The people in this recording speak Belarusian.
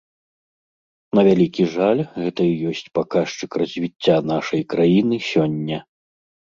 На вялікі жаль, гэта і ёсць паказчык развіцця нашай краіны сёння.